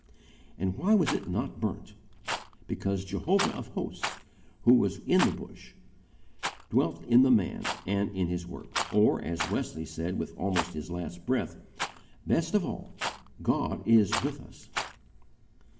And why was it not burnt? Because Jehovah of hosts, who was in the Bush, dwelt in the man and in his work: or, as Wesley said with almost his last breath, "Best of all, God is with us."